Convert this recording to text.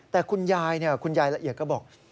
แต่คุณยายละเอียดก็บอก